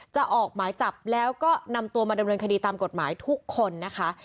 ออกหมายจับแล้วก็นำตัวมาดำเนินคดีตามกฎหมายทุกคนนะคะ